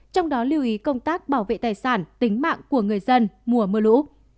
trong đó lưu ý công tác bảo vệ tài sản tính mạng của người dân mùa mưa lũ